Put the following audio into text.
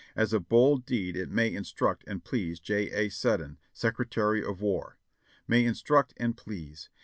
As a bold deed it may instruct and please. J. A. Sedden, "Secretary of War." "May instruct and please!"